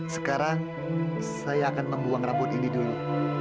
sekarang saya akan membuang rambut ini dulu